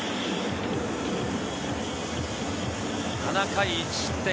７回１失点。